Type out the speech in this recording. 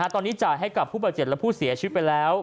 ตอนนี้จ่ายให้กับผู้บาดเจ็บและผู้เสียชีวิตไปแล้ว